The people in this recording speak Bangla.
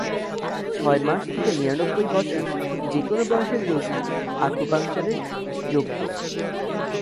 ছয় মাস থেকে নিরানববই বছর, যে কোনো বয়সের রোগীই আকুপাঙ্কচারের যোগ্য।